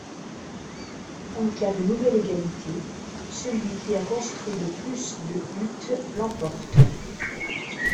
En cas de nouvelle égalité, celui qui a construit le plus de huttes l’emporte.